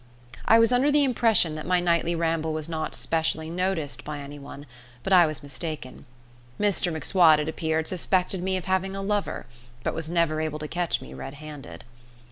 I was under the impression that my nightly ramble was not specially noticed by any one, but I was mistaken. Mr M'Swat, it appears, suspected me of having a lover, but was never able to catch me red handed.